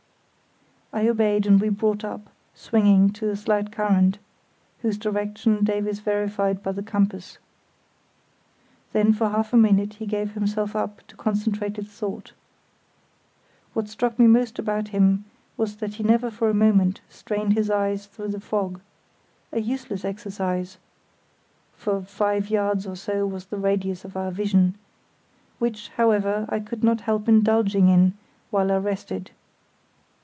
I obeyed and we brought up, swinging to a slight current, whose direction Davies verified by the compass. Then for half a minute he gave himself up to concentrated thought. What struck me most about him was that he never for a moment strained his eyes through the fog; a useless exercise (for five yards or so was the radius of our vision) which, however, I could not help indulging in, while I rested.